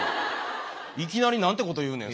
いきなりなんてこと言うねや。